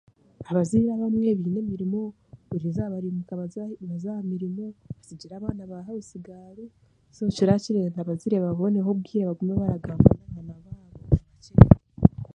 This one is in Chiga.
Abazaire abamwe baine emirimo burizooba barikugyenda baze baze aha mirimo basigira abaana ba hawusi gaaro so, kiraba kirenda abazaire baboneho obwire bagume baragamba nabo